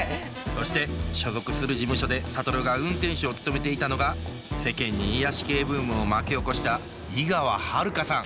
そして所属する事務所で諭が運転手を務めていたのが世間に癒やし系ブームを巻き起こした井川遥さん